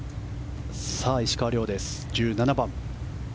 石川遼です、１７番。